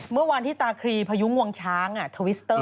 เมื่อวานที่ตาครีพายุงวงช้างทวิสเตอร์